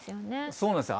そうなんですよ。